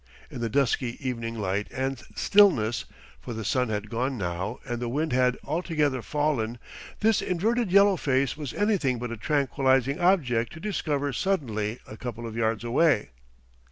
In the dusky evening light and stillness for the sun had gone now and the wind had altogether fallen this inverted yellow face was anything but a tranquilising object to discover suddenly a couple of yards away.